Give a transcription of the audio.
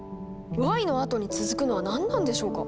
「Ｙ」のあとに続くのは何なんでしょうか？